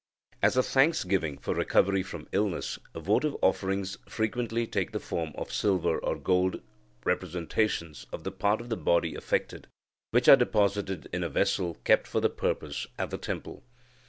As a thanksgiving for recovery from illness, votive offerings frequently take the form of silver or gold representations of the part of the body affected, which are deposited in a vessel kept for the purpose at the temple.